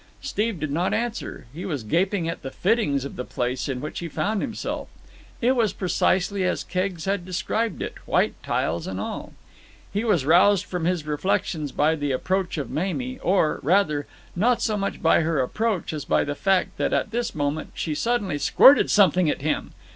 Steve did not answer. He was gaping at the fittings of the place in which he found himself. It was precisely as Keggs had described it, white tiles and all. He was roused from his reflections by the approach of Mamie, or, rather, not so much by her approach as by the fact that at this moment she suddenly squirted something at him.